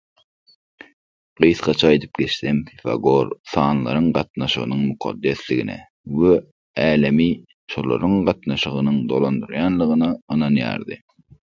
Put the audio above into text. Gysgaça aýdyp geçsem, Pifagor sanlaryň gatnaşygynyň mukaddesdigine we älemi şolaryň gatnaşygynyň dolandyrýandygyna ynanýardy.